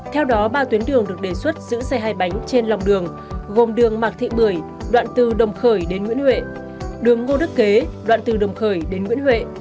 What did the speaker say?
theo đó ba tuyến đường được đề xuất giữ xe hai bánh trên lòng đường gồm đường mạc thị bưởi đoạn từ đồng khởi đến nguyễn huệ đường ngô đức kế đoạn từ đồng khởi đến nguyễn huệ